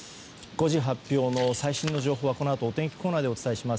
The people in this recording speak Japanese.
５時発表の最新の情報はこのあとのお天気コーナーでお伝えします。